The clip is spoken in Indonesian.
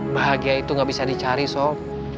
bahagia itu gak bisa dicari soal